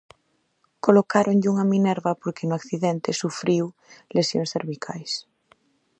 Colocáronlle unha minerva porque no accidente sufriu lesións cervicais.